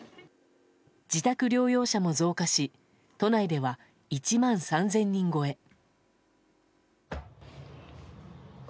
自宅療養者も増加し都内では１万３０００人超え。